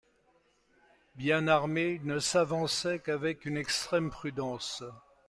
Bien armés, ils ne s’avançaient qu’avec une extrême prudence.